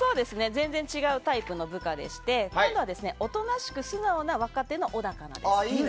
全然違うタイプの部下でして大人しく素直な若手の小高アナです。